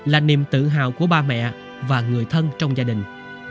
là niềm tự hào của bà mẹ và người thân trong gia đình